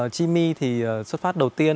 chimmy thì xuất phát đầu tiên